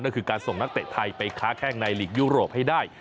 ก็คือการส่งนักเตะไทยไปค้าแข้งในหลีกยุโรปให้ได้